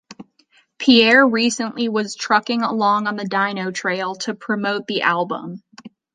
Pierre recently was "trucking along on The Dino Trail" to promote the album.